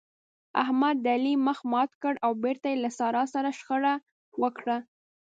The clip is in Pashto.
احمد د علي مخ مات کړ او بېرته يې له سارا سره شخړه وکړه.